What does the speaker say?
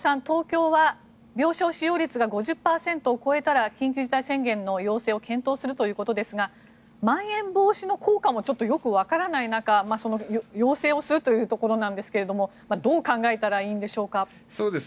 東京は病床使用率が５０％を超えたら緊急事態宣言の要請を検討するということですがまん延防止の効果もちょっとよくわからない中要請をするというところですがどう考えたらいいんでしょうか。